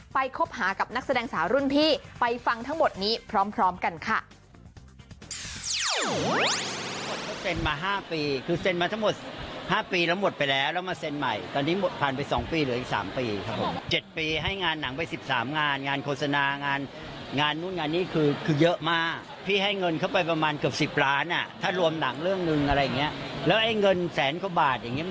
คบหากับนักแสดงสาวรุ่นพี่ไปฟังทั้งหมดนี้พร้อมกันค่ะ